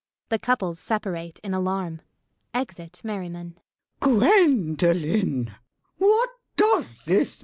The couples separate in alarm. Exit Merriman.] LADY BRACKNELL. Gwendolen! What does this mean?